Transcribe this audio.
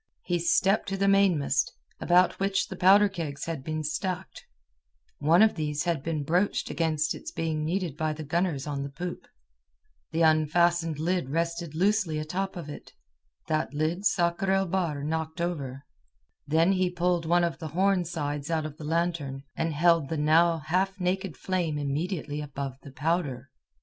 He stepped to the mainmast, about which the powder kegs had been stacked. One of these had been broached against its being needed by the gunners on the poop. The unfastened lid rested loosely atop of it. That lid Sakr el Bahr knocked over; then he pulled one of the horn sides out of the lantern, and held the now half naked flame immediately above the powder.